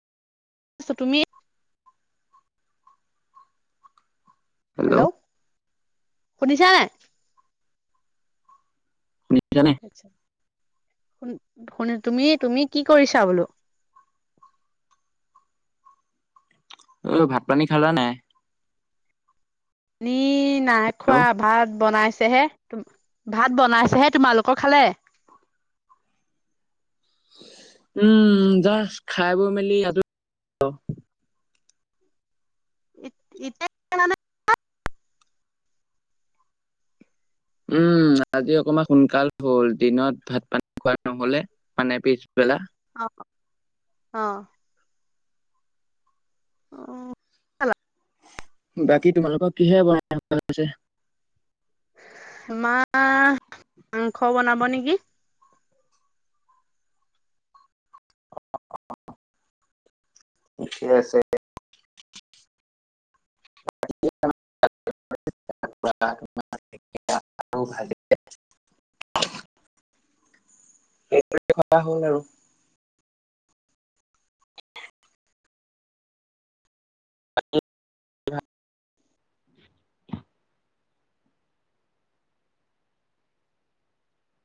আছোঁ, তুমি? হেল্ল'! শুনিচানে? শুনিছানে? শুন শুনি, তুমি তুমি কি কৰিছা বোলো? অ' ভাত-পানী খালা নাই? নি নাই খোৱা, হেল্ল' ভাত বনাইছেহে। ভাত বনাইছেহে, তোমালোকৰ খালে? উম, জাষ্ট খাই বৈ মেলি [inaudible] উম, আজি অকণমান সোনকাল হ'ল দিনত ভাত পানী খোৱা নহলে মানে পিছবেলা। অ'। [inaudible] বাকী তোমালোকৰ কিহে বনাই [unintelligible] পিছে? আমাৰ মাংস বনাব নেকি। [inaudible] ঠিয়ে আছে। [inaudible] [inaudible] [unintelligible] হ'ল আৰু। [inaudible]